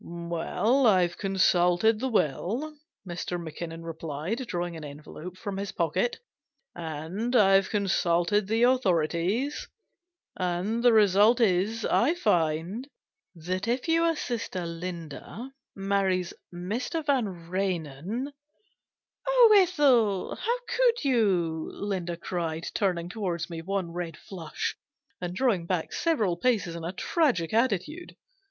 " Well, I've consulted the will," Mr. Mac kinnon replied, drawing an envelope from his pocket; "and I've consulted the authorities, and the result is, I find, that if your sister Linda marries Mr. Vanrenen "" Oh, Ethel, how could you !" Linda cried, turning towards me one red flush, and drawing back several paces in a tragic attitude.